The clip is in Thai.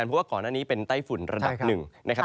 เพราะว่าก่อนอันนี้เป็นใต้ฝุนระดับ๑